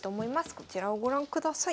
こちらをご覧ください。